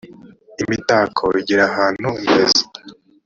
imitako igirahantu neza.